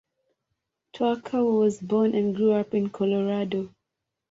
Stoecker was born and grew up in Colorado.